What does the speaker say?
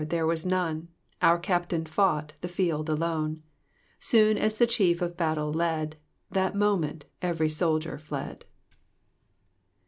there was none ;' Our Cuptaln fought the field alone. « Soon as the chief to battle led, That moment every soldier fled."